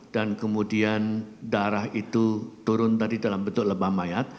dan kemudian darah itu turun tadi dalam bentuk lebah mayat